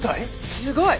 すごい！